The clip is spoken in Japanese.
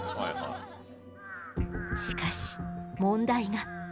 しかし問題が。